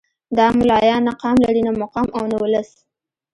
دا ملايان نه قام لري نه مقام او نه ولس.